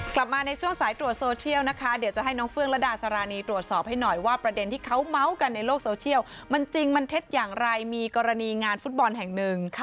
กลับมาในช่วงสายตรวจโซเชียลนะคะเดี๋ยวจะให้น้องเฟื้องระดาสารีตรวจสอบให้หน่อยว่าประเด็นที่เขาเมาส์กันในโลกโซเชียลมันจริงมันเท็จอย่างไรมีกรณีงานฟุตบอลแห่งหนึ่ง